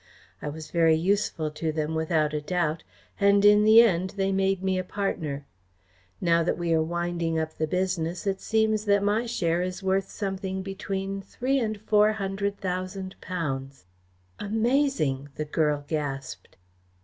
I was very useful to them without a doubt, and in the end they made me a partner. Now that we are winding up the business, it seems that my share is worth something between three and four hundred thousand pounds." "Amazing!" the girl gasped.